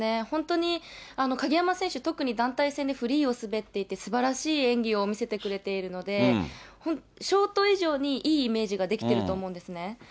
本当に鍵山選手、特に団体戦でフリーを滑っていて、すばらしい演技を見せてくれているので、ショート以上にいいイメージができてると思うんですね。